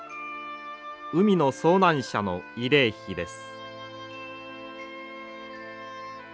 海の遭難者の慰霊碑です。